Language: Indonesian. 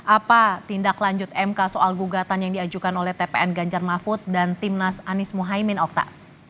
apa tindak lanjut mk soal gugatan yang diajukan oleh tpn ganjar mahfud dan timnas anies mohaimin okta